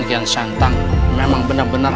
kian santang memang benar benar